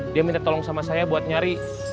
dia minta tolong sama saya buat nyari